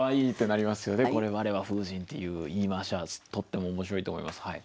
この「われは風神」っていう言い回しはとっても面白いと思います。